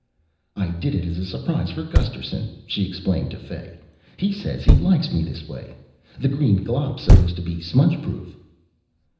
"I did it as a surprise for Gusterson," she explained to Fay. "He says he likes me this way. The green glop's supposed to be smudgeproof."